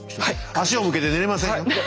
足を向けて寝れませんよ。